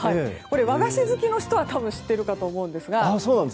和菓子好きの人は知っていると思うんですが。